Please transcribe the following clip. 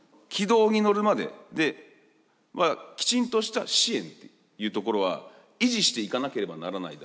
軌道に乗るまでできちんとした支援というところは維持していかなければならないだろうと。